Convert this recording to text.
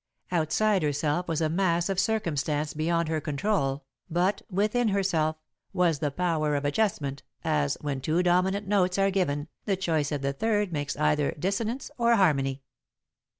Outside herself was a mass of circumstance beyond her control, but, within herself, was the power of adjustment, as, when two dominant notes are given, the choice of the third makes either dissonance or harmony.